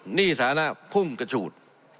หนี้สาระพุ่งกระฉูด